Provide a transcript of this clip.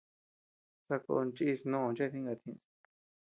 Sakón chís nóʼoo chete jinkatu ñëʼes.